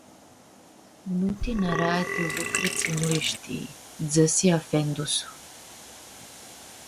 Nu ti nãrãea ti lucre tsi nu li-shtii! – dzãsi afendu-su.